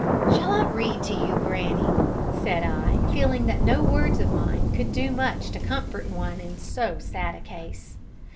"Shall I read to you, granny?" said I, feeling that no words of mine could do much to comfort one in so sad a case.